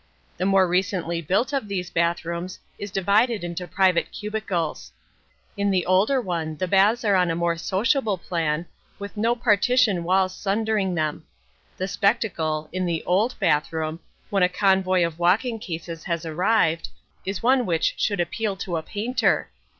The more recently built of these bathrooms is divided into private cubicles. In the older one the baths are on a more sociable plan, with no partition walls sundering them. The spectacle, in the "old" bathroom, when a convoy of walking cases has arrived, is one which should appeal to a painter.